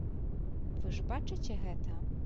Вы ж бачыце гэта?